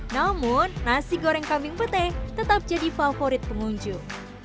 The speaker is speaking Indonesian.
namun nasi goreng kambing petai tetap jadi favorit pengunjung